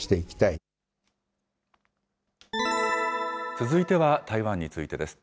続いては台湾についてです。